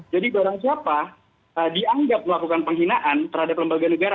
jadi barang siapa dianggap melakukan penghinaan terhadap lembaga negara